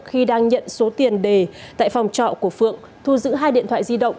khi đang nhận số tiền đề tại phòng trọ của phượng thu giữ hai điện thoại di động